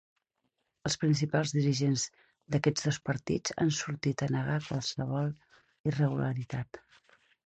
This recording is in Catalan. Els principals dirigents d’aquests dos partits han sortit a negar qualsevol irregularitat.